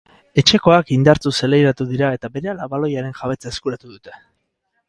Etxekoak indartsu zelairatu dira eta berehala baloiaren jabetza eskuratu dute.